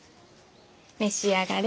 召し上がれ。